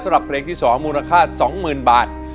สำหรับเพลงที่๒มูลค่า๒๐๐๐๐บาท